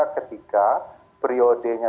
ketika priode nya